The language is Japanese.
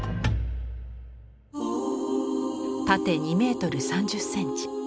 縦２メートル３０センチ。